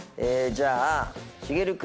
じゃあ。